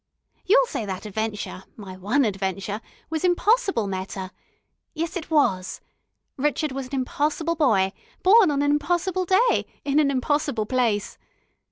You'll say that adventure my one adventure was impossible, Meta. Yes, it was. Rrchud was an impossible boy, born on an impossible day, in an impossible place.